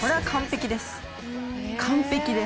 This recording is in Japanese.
完璧です。